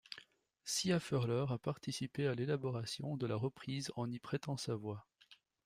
Sia Furler a participé à l'élaboration de la reprise en y prêtant sa voix.